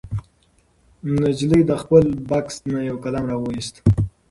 نجلۍ د خپل بکس نه یو قلم راوویست.